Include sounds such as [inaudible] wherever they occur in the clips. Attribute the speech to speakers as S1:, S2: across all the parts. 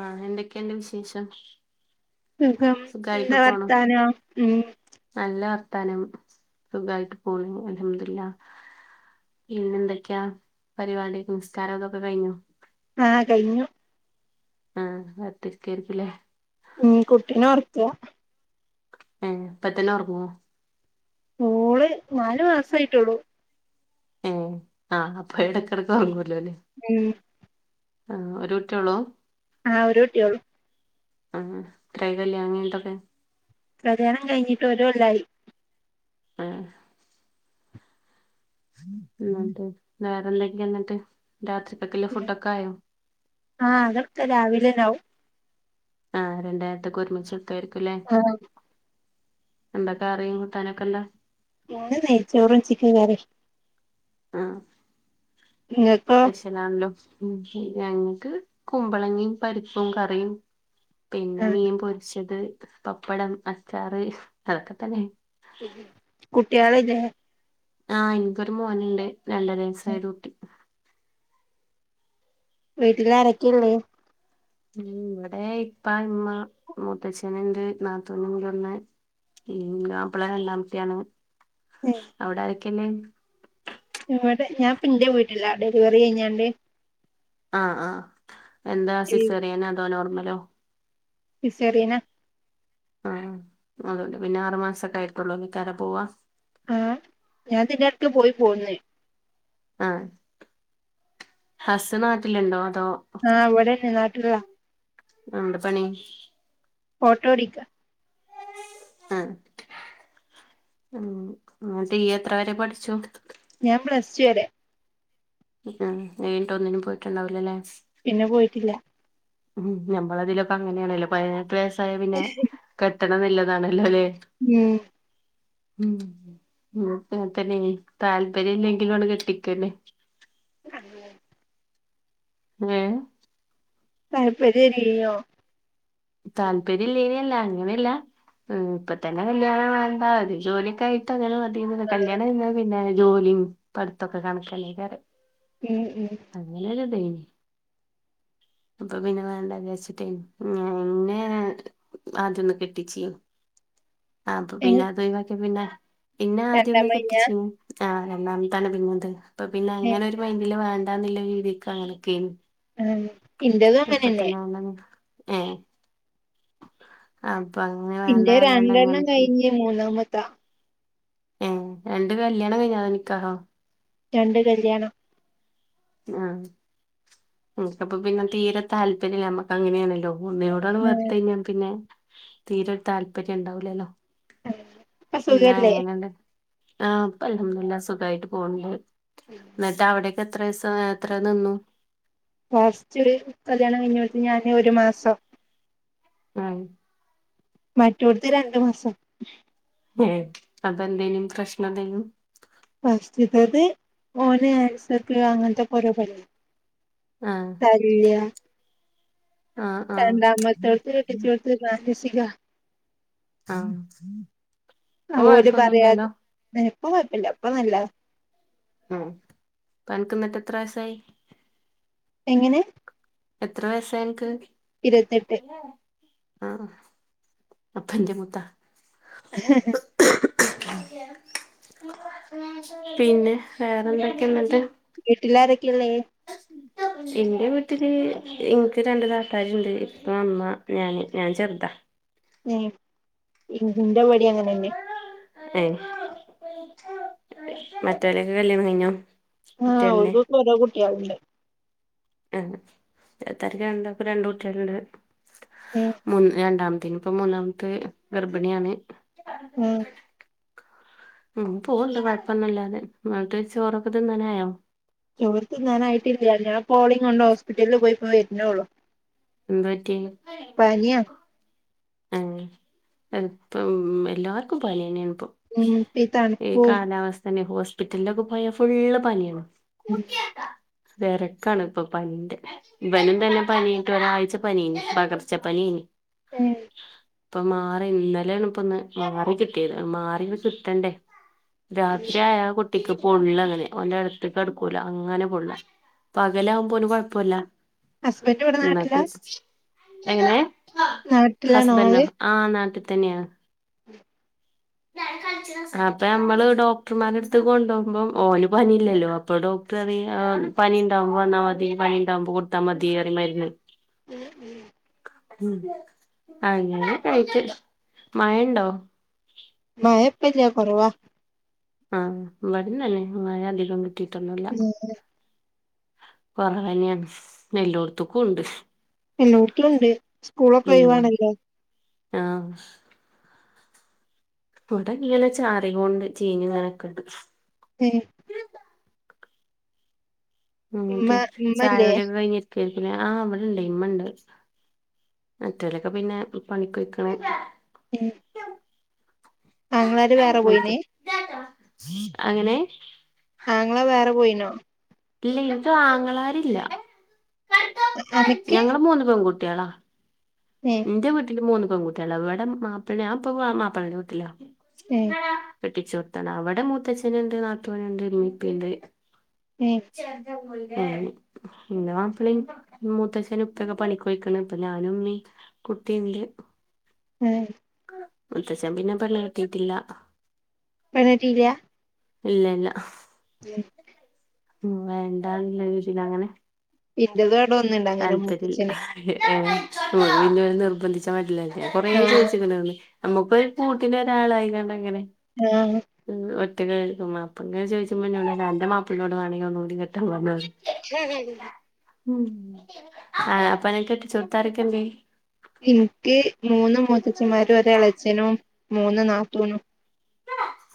S1: ആഹ് എന്തൊക്കെയിണ്ട് വിശേഷം
S2: സുഖം
S1: സുഖായിട്ട്
S2: എന്താ
S1: പോണു
S2: വർത്താനം ഉം
S1: നല്ല വർത്താനം സുഖായിട്ട് പോണ് അൽഹമ്ദുലില്ല. പിന്ന എന്തൊക്കെയാ പരിപാടി നമസ് കാരം അതൊക്കെ കഴിഞ്ഞോ
S2: ആഹ് കഴിഞ്ഞു
S1: ആഹ് കാത്തിരിക്കായിരിക്കല്ലേ
S2: ഉം കുട്ടീനെ ഉറക്കിയൊ
S1: ആഹ് ഇപ്പൊതന്നെ ഉറങ്ങുവോ
S2: മോളു നാലു മാസയിട്ടുള്ളു
S1: ഉം ആഹ് അപ്പൊ ഇടയ്ക്കിടക്ക് ഉറങ്ങൂലോ അല്ലെ
S2: ഉം
S1: ആഹ് ഒരു കുട്ടിയെ ഉള്ളൂ?
S2: ആഹ് ഒരു കുട്ടൂയേഉള്ളു
S1: ആഹ് കഴിഞ്ഞലോ ഇനിയെന്തൊക്കെ
S2: കല്യാണം കഴിഞ്ഞിട്ട് ഒരുകൊല്ലായി
S1: ആഹ് എന്നിട്ട് വേറെ എന്തൊക്കെയ എന്നിട്ട് രാത്രിത്തെക്കുള്ള ഫുഡ് ഒക്കെ ആയോ
S2: ആഹ് അതൊക്കെ രാവിലയിണ്ടാക്കും
S1: ആഹ് രണ്ട്നേരത്തേക്ക് ഒരുമിച്ചെടുക്കായിരിക്കുംല്ലേ
S2: ആഹ്
S1: എന്താ കറി കൂട്ടാനൊക്കെ എന്താ
S2: ഇന്ന് നെയ്ച്ചോറും ചിക്കൻ കറിയും നിങ്ങക്കോ
S1: കിലാണല്ലോ ഉം ഞങ്ങൾക്ക് കുമ്പളങ്ങയും പരിപ്പും കറിയും പിന്നെ മീൻ പൊരിച്ചത് പപ്പടം അച്ചാറ് അതൊക്കെ തന്നെണ്
S2: കുട്ടിയള് ഇല്ല്യേ
S1: ആഹ് എനിക്കൊരു മോനിണ്ട് രണ്ടര വയസായ ഒരുകുട്ടി
S2: വീട്ടിൽ ആരക്കൊയള്ളേ
S1: ഉം ഇവിടെ ഇപ്പാ ഇമ്മ മുത്തച്ചന്ണ്ട് നാതൂനുണ്ട് ഒന്ന് ഇങ്ങ പ്പളെ [unintelligible] യാണോ
S2: ഏഹ്
S1: അവ്ടെ ആരൊക്കെള്ളേ
S2: ഇവിടെ ഞാൻ ഇപ്പൊ എന്റെ വീട്ടില ഡെലിവറി കഴഞ്ഞോണ്ട്
S1: ആഹ് ആഹ് എന്താ സിസെറിയനോ അതോ നോർമലോ
S2: സിസെറിയനാ
S1: ആഹ്. അതോണ്ട് പിന്നെ ആറുമാസൊക്കെ ആയിട്ടുള്ളു ക്കേരം പോവാ?
S2: ആഹ് ഞാൻ ഇതിന്റെ എടക്ക് പോയി പോന്ന്
S1: ആഹ്ഹസ് നാട്ടിലുണ്ടോ അതോ
S2: ആഹ് ഇവിടെഞ്ഞെ നാട്ടിലാ
S1: എന്ത പണി
S2: ഓട്ടോ ഓടിക്കാ
S1: ആ ഇങ്ങട്ട് ഇയ്യ് എത്ര വരെ പഠിച്ചു
S2: ഞാൻ പ്ലസ്ടു വരെ
S1: ഉം മ് വീണ്ടും ഒന്നിനും പോയിട്ടുണ്ടാവില്ലല്ലെ
S2: പിന്നെ പോയിട്ടില്ല
S1: ഉം ഞമ്മള തിലൊക്കെ അങ്ങനെയാണല്ലോ പയിനെട്ട് വയസ്സായ പിന്നെ കെട്ടണം ന്ന് ല്ലതാണല്ലോല്ലേ
S2: മ്
S1: ഉം ഉം പ്പഅങ്ങൻതന്നേനി താല്പര്യം ഇല്ലെങ്കിലും അണ്ട് കെട്ടിക്കല്ലെ
S2: [inaudible]
S1: ങ്ങേ
S2: താല്പര്യല്ലോനിയോ
S1: താല്പര്യം ഇല്ലേനില്ല അങ്ങനെയല്ല ഉം ഇപ്പ തന്നെ കല്യാണം വേണ്ടാ ഒരു ജോലിയൊക്കെ ആയി ത്തങ്ങനെ മതിന്നത് കല്യാണം കഴിഞ്ഞ പിന്നെ ജോലിയും പഠിത്തെക്കെ കണക്കനെ വേറെ
S2: ഉം ഉം
S1: അങ്ങനെരുതെ അപ്പൊ പിന്നെ വേണ്ട വിചാരിച്ചിട്ടേ ഞാൻ എന്നെ ആദ്യൊന്ന് കെട്ടിച്ച് അപ്പം പിന്നെ
S2: എനി
S1: അതൊയി വാക്കി പിന്നെ ഇന്നെ
S2: എന്താ
S1: ആദ്യൊന്ന്
S2: മയ്ഞ്ഞ
S1: കെട്ടിച്ച്. ആഹ് രണ്ടാമത്താണ് പിന്നത് അപ്പൊ പിന്നെ അങ്ങനെ ഒരു മൈൻഡില് വേണ്ടാന്നുള്ള രീതിക്കങ്ങനെക്കേനി
S2: ആഹ് ഇന്റെതും അങ്ങനെന്നെ.
S1: [inaudible] ഏ അപ്പൊ അങ്ങനെ വേണ്ടാർന്ന് അങ്ങനെക്കേനി
S2: മൂന്നാമത്ത
S1: ഏ അന്റെ കല്യാണം കഴിഞ്ഞാ അതോ നിക്കാഹോ
S2: രണ്ട് കല്യാണം
S1: ആഹ് അപ്പൊ പിന്നെ തീരെ താല്പര്യമില്ല നമ്മക്ക് അങ്ങനെയാണല്ലോ ഒന്നിനോ ഒരാള് വർത്ത് കഴിഞ്ഞാ പിന്നെ തീരെ താല്പര്യം ഉണ്ടാവില്ലല്ലോ പിന്നെ
S2: അസുഖല്ലേ
S1: എങ്ങനെണ്ട്? ആഹ് ഇപ്പം അൽഹംദുലില്ല സുഖായിട്ട് പോണ് ണ്ട്.
S2: [inaudible]
S1: എന്നിട്ട് അവിടൊക്കെ എത്ര ദിവസ എത്ര നിന്നു?
S2: ഫസ്റ്റ് കല്യാണം കഴിഞ്ഞ് ഞാന് ഒരു മാസം
S1: ആഹ്
S2: മറ്റോട്ത്ത് രണ്ടു മാസം
S1: ഏ അതെന്തേനി പ്രശ്നന്തേനു
S2: ഫസ്റ്റ്തത് ഓന് ആൻസർക്ക് അങ്ങനത്തെരോ പണിയ
S1: ആഹ്
S2: കല്യ
S1: ആഹ് ആഹ്
S2: രണ്ടാമത്തേൾക്ക് കെട്ടിച്ചു കൊടുത്തത് മാനസിക
S1: ആഹ് ഇപ്പൊ കുഴപ്പൊന്നുംല്ലല്ലോ?
S2: ഏ ഇപ്പ കൊഴ്പ്പല്ല ഇപ്പ നല്ലതാ
S1: ഉം അൻക്ക്ന്നട്ട് എത്ര മാസ്സായി
S2: എങ്ങനെ
S1: എത്ര വയസായിനക്ക്?
S2: ഇരുവത്തെട്ട്.
S1: ആഹ് അപ്പന്റെ മൂത്ത.
S2: ഹഹ ഹ
S1: പിന്നെ വേറെന്തൊക്കെയ എന്നിട്ട്?
S2: വീട്ടിലാരൊക്കെയുള്ളേ?
S1: എന്റെ വീട്ടില് എനിക്ക് രണ്ടു താത്തര്ണ്ട് ഇപ്പ ഇമ്മ ഞാന്, ഞാൻ ചെറുതാ.
S2: ഏ ഇന്റെവടി അങ്ങനെന്നെ
S1: ഏ മറ്റവരൊക്കെ കല്യാണം കഴിഞ്ഞോ?
S2: ആഹ്
S1: കുട്ടികളില്ലേ
S2: അവർക്ക്കെ ഓരോ കുട്ടികളുണ്ട്
S1: രണ്ട് തരക്ക് രണ്ടൂട്ടികളുണ്ട് രണ്ട്
S2: ഏഹ്
S1: മൂന്ന് രണ്ടാമത്തത്തിനും. ഇപ്പൊ മൂന്നാമത്തെ ഗർഭിണിയാണ്
S2: ആഹ്
S1: ഉം പോവ്ണ്ട് കൊഴ്പ്പൊന്നുല്ലാതെ ങ്ങട്ട് ചോറൊക്കെ ത്തിന്നാനായോ?
S2: ചോറ് തിന്നാനായിട്ടില്ല ഞാൻ ഇപ്പം ഓളെ കൊണ്ട് ഹോസ്പിറ്റലിൽ പോയി ഇപ്പൊ വരുന്നേള്ളു
S1: എന്ത് പറ്റി ഏഹ് അതിപ്പം എല്ലാർക്കും പന്യെന്ന്യാണിപ്പം
S2: ഉം ഇപ്പ
S1: ഈ
S2: തണുപ്പും
S1: കാലാവസ്ഥെന്നെ ഹോസ്പിറ്റല്ലൊക്കെ പോയാ ഫുള്ള് പനിആണ്
S2: ഉം
S1: തെരെക്കാണ്പ്പൊ പനിന്റെ ഇവനും തന്നെ പനി ട്ടൊരായ്ച പന്യെയ്നി പകർച്ച പനിയെയ്നി
S2: [unintelligible]
S1: ഇപ്പം മാറി ഇന്നെലേണിപ്പൊന്ന് മാറി കിട്ട്യേത് മാറിണ്ട് കിട്ടെണ്ടേ രാത്ര്യായാ കുട് ട്ടിക്ക് പൊള്ളാ അങ്ങനെ ഓന്റടിത്തിക്കട്ക്കൂല അങ്ങന പൊള്ള പകലാകുമ്പോന് കൊയ്പോല്ല
S2: ഹസ്ബൻഡ് ഇവിടെ
S1: എന്നിട്ട്
S2: നാട്ടിലാ
S1: എങ്ങനെ
S2: നാട്ടിലാണ്
S1: ഹസ്ബൻഡോ
S2: ആള്
S1: ആ നാട്ടിത്തെന്ന്യാണ്
S2: [unintelligible]
S1: അപ്പ ഞമ്മള് ഡോക്ടർമാരെട്ത്തി കൊണ്ടോമ്പം ഓല് പനില്ലല്ലോ അപ്പൊ ഡോക് ട്ടറീം ആ പനിണ്ടമ്പോ വന്നാ മതി പനിണ്ടാമ്പോ കൊട്ത്താ മതീയറിം മര്ന്ന്
S2: ഉം ഉം
S1: ഉം അങ്ങനെ കഴിച്ച് മഴണ്ടോ
S2: മയപ്പല്ല്യാ കൊറവാ
S1: ആഹ് ഇവടിം തന്നെ മയധികം കിട്ടീട്ടൊന്നുല്ല കൊറവെന്ന്യേൺ എല്ലോട്ത്തുക്കുണ്ട്
S2: എല്ലോട്ത്തുണ്ട്
S1: ഉം ആഹ് വിടെങ്ങനെ ചാറിങ്ങോണ്ട് ചീഞ്ഞ് ങ്ങനെക്ക്ണ്ട്
S2: ഏഹ് ഇമ്മ
S1: ട്ട്
S2: ഇമ്മല്ലേ
S1: ചായുട്യുകെ കയ്ഞ്ഞിര്ക്കേരിക്കുലേ ആഹ് ഇവടെണ്ടെയെ ഇമ്മണ്ട് മറ്റോലൊക്കെ പിന്നെ പണിക്കൊയ്ക്ക് ണ്
S2: ഏ ആങ്ങളാര് വേറെ
S1: അങ്ങൻത്തെ
S2: പോയ്ന്
S1: അങ്ങനെ
S2: ആങ്ങള വേറെ പോയ്നോ
S1: ഇല്ല ഇൻക്ക് ആങ്ങളാരില്ല
S2: അനക്ക്
S1: ഞങ്ങള് മൂന്ന് പെങ്കുട്ട്യാളാ
S2: ഏഹ്
S1: ഇന്റെ വീട്ടില് മൂന്ന് പെങ്കുട്ട്യാളാ ഇവടെ മാപ്പൾനെ ഞാപ്പൊ മാപ്പൾൻ്റെ വീട്ടിലാ
S2: ഏഹ്
S1: കെട്ടിച്ചൂട്ത്താണ് അവെടെ മൂത്തച്ഛനിണ്ട് നാത്തൂന്ണ്ട് ഇമിപ്പിണ്ട്
S2: ഏ
S1: ആയി ഇൻ്റെ മാപ്പ്ളിം മൂത്തച്ചനൂപ്പെക്കെ പണിക്കൊയ്ക്ക്ണ് ഇപ്പഞാനുമ്മിം കുട്ടിണ്ട്
S2: ഏഹ്
S1: മൂത്തച്ഛം പിന്നെ പെണ്ണ് കെട്ടീട്ടില്ല
S2: പെണ്ണെട്ടീല്ല
S1: ഇല്ല ഇല്ല
S2: ഇയെ
S1: ഉ വേണ്ടാ എന്ന രീതിയിൽ അങ്ങനെ
S2: ഇന്റെതടെ ഒന്ന്ണ്ട് അങ്ങനെ മൂത്തച്ഛന്
S1: [unintelligible] ഇല്ലോല് നിർബന്ധിച്ചാ പറ്റൂലല്ലോ കൊറേ
S2: ആഹ്
S1: ചോയ്ച്ചിക്കിണന്ന് അമ്മുക്കൊരു കൂട്ട്ന് നൊരാളായി കാണ്ടങ്ങനെ
S2: ആഹ്
S1: ഒറ്റക്കായിരിക്കും അപ്പങ്ങനെ ചോയ്ച്ചുമ്പെന്നോടറിം അന്റെ മാപ്പൾനോട് വേണെങ്കി ഒന്നുകൂടി കെട്ടാൻ പറ്ഞ്ഞോ പറി ഉം ആഹ് അപ്പനെ കെട്ടിച്ചോട്ത്ത് ആരൊക്കെലെ
S2: ഇൻക്ക് മൂന്ന് മൂത്തച്ഛന്മാരും ഒരളച്ഛനും മൂന്ന് നാത്തൂനും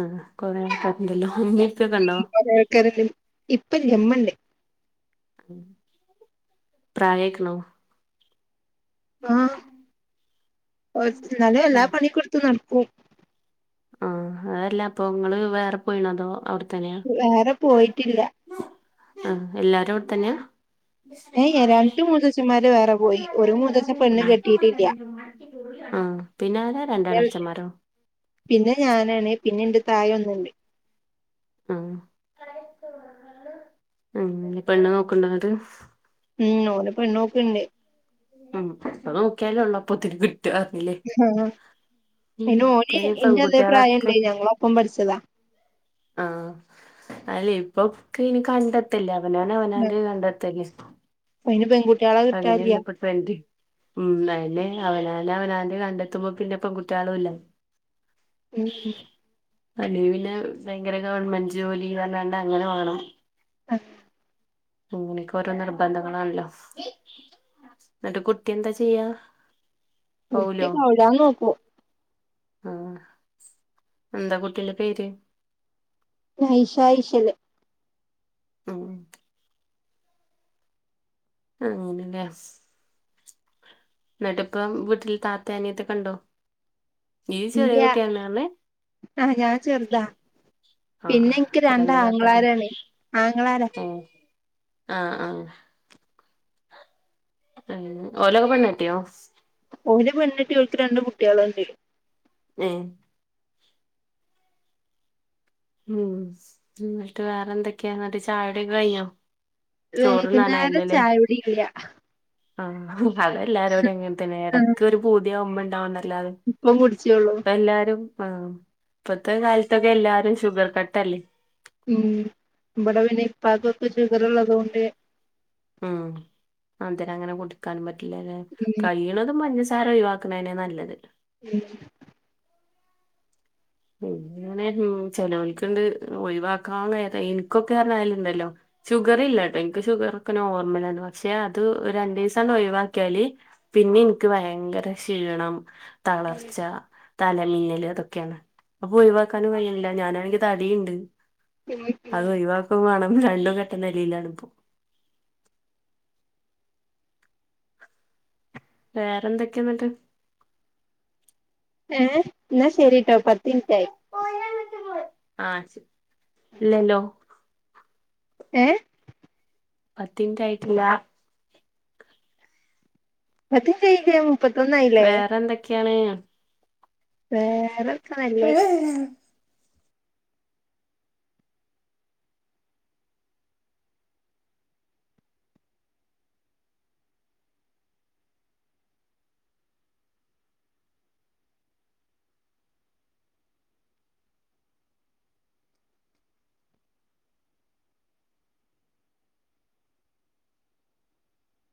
S1: അഹ് കൊറേ ആൾക്കാർ ഇണ്ടല്ലോ [unintelligible]
S2: [unintelligible] ഇപ്പല്യാ ഇമ്മണ്ട്
S1: പ്രായക്ക്ണോ
S2: ആഹ് [unintelligible] എന്നാലും എല്ലാ പണികെ കൊടുത്ത് നടക്കും
S1: ആഹ് അതല്ല അപ്പൊ നിങ്ങള് വേറെ പോയിണോ അതോ അട്
S2: വേറെ പോയിട്ടില്ല
S1: ആഹ് എല്ലാരും അവിടെ തന്നെയാ
S2: ഏ രണ്ടു മൂത്തച്ഛന്മാര് വേറേ
S1: ആഹ് പിന്നെ ആരാ
S2: പിന്നെ
S1: രണ്ടളെച്ചമാരോ
S2: പിന്നെ ഞാനാണ് പിന്നെ ഇന്റെ തായെ ഒന്ന്ണ്ട്
S1: ആഹ് അങ്ങനെ പെണ്ണ് നോക്ക്ണ്ടോ ന്ന്ട്ട്
S2: ഉം ഓന് പെണ്ണ്ക്ക്ണ്ട്
S1: ഉം ഇപ്പം നോക്കിയാല് [unintelligible]
S2: ആഹ്
S1: [unintelligible]
S2: അയിന് ഓന്
S1: ഇപ്പയിന്
S2: ഇന്റെ അതേ
S1: പെൺകുട്ടികളൊക്കെ
S2: പ്രായണ്ട് ഞങ്ങളൊപ്പം പഠിച്ചതാ
S1: ആഹ് അല്ലേ ഇപ്പൊക്ക ഇനി കണ്ടെത്തല്ലേ അവനഅവനാന്റെ കണ്ടത്തല്ലേ
S2: അയിന് പെൺകുട്ടികളെ കിട്ടാല്യാ
S1: [unintelligible] ഉം അഹനെ അവനാന്റെ അവനാണ് കണ്ടെത്തുമ്പോ പിന്നെ പെൺകുട്ടികളുംല്ല
S2: ഉം ഉം
S1: അല്ലെങ്കി പിന്നെ ഭയങ്കര ഗവൺമെന്റ് ജോലി പറഞ്ഞാണ്ട് അങ്ങനെ വാണം
S2: ആഹ്
S1: അങ്ങനെയൊക്കെ ഓരോ നിർബന്ധങ്ങളാണല്ലോ ഇന്നട്ട് കുട്ടിന്താ ചെയ്യാ
S2: കുട്ടി
S1: പോവൂലോ
S2: കൗലാന് നോക്കും
S1: ആഹ് എന്താ കുട്ടീന്റെ പേര്
S2: ഐഷ ഇശൽ
S1: ഉം അങ്ങനെ [unintelligible] ഇന്നട്ട് ഇപ്പം വീട്ടില് താത്തേം അനിയത്തിയൊക്കെണ്ടോ
S2: ഇല്ല്യാ ആഹ് ഞാൻ ചെറ്താ
S1: പറഞ്ഞേ ആഹ്
S2: പിന്നെ
S1: ആഹ്
S2: ഇന്ക്ക്
S1: അപ്പൊ രണ്ട് താത്താല്ലേ
S2: രണ്ടാങ്ങളാരാണ് ആങ്ങളാരാ
S1: ഏഹ് ആഹ് ആഹ് മ്മ് ഓലോക്കെ പെണ്ണേട്ട്യോ
S2: ഓല് പെണ്ണെട്ടി ഓല്ക് രണ്ട് കുട്ട്യാള്ണ്ട്
S1: മ്മ് മ്മ് ഇന്ന്ട്ട് വേറെന്തൊക്കെ ഇന്ന്ട്ട് ചായുടിയൊക്കെ കഴിഞ്ഞോ
S2: വൈകുന്നേരം
S1: ചോറുണ്ണാനായില്ലല്ലേ
S2: ചായുടില്ലാ
S1: ആഹ് അതെല്ലാരോടിം അങ്ങനെ തന്നെ
S2: ആഹ്
S1: എടക്കൊരു പുതിയാവുമ്പോ ഇണ്ടാവുന്നല്ലാതെ
S2: ഇപ്പം കുടിച്ചോള്ളൂ
S1: ഇപ്പല്ലാരും ആഹ് ഇപ്പത്തെ കാലത്തൊക്കെ എല്ലാരും ഷുഗർ കട്ടല്ലേ
S2: ഉം ഇബടെ പിന്നെ ഇപ്പക്കൊക്കെ ശുഗറ്ള്ളതൊണ്ട്
S1: ഉം മധുരങ്ങനെ കുടിക്കാനും പറ്റ്ല്ലലെ
S2: ഉം
S1: കയ്യ് ണതും പഞ്ചസാര ഒഴിവാക്ക്ണെന്നെ നല്ലത്
S2: മ്മ്
S1: പിന്നെങ്ങനെ മ്മ് ചേലോല്ക്ക്ണ്ട് ഒഴിവാക്കാ കഴിയാത്ത ഇന്ക്കൊക്കെറ്ഞ്ഞാല്ണ്ടല്ലോ ഷുഗർ ഇല്ലട്ടോ ഇന്ക്ക് ഷുഗറൊക്കെ നോർമലാണ് പക്ഷെ അത് രണ്ടീസാണ്ട് ഒഴിവാക്കിയാല് പിന്നെനിക്ക് ഭയങ്കര ക്ഷീണം തളർച്ച തലമിന്നല് അതൊക്കെയാണ് അപ്പൊ ഒഴിവാക്കാനും കയ്യ്ണ്ല്ല ഞാനാണെങ്കി തടിണ്ട്
S2: ഉം
S1: അത് ഒഴിവാ ക്കും വാണം രണ്ടും കെട്ട നെലിലാണ്പ്പോ വേറെന്തൊക്കെ ഇന്നട്ട്
S2: ഏഹ് ഇന്നാ ശെരിട്ടോ പത്തിന് റ്റായി
S1: ആഹ് ഇല്ലല്ലോ
S2: ഏഹ്
S1: പത്തിന് റ്റ് ആയിട്ടില്ലാ
S2: [unintelligible]
S1: വേറെന്തെക്കെയാണ്
S2: വേറെ
S1: [unintelligible]